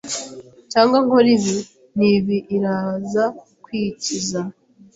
cyangwa nkore ibi n’ibi iraza kwikiza